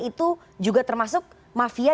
itu juga termasuk mafia